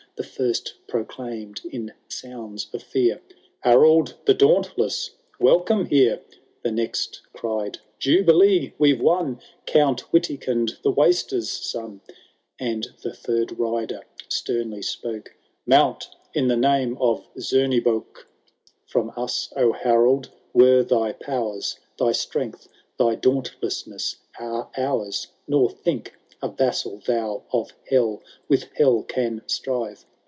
The first proclaimed, in sounds of fear, ' Harold the Dauntless, welcome here !* The next cried, * Jubilee I we*ve won Count Witildnd the WasterVi son P And the third rider sternly spoke, ' Mount, in the name of Zemebock !— From us, O Harold, were thy powers, — Thy strength, thy dauntlessness are ours ; Kgr think, a vassal thou of hell With hell can strive.